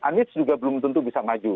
anies juga belum tentu bisa maju